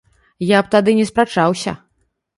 Я б тады не спрачаўся.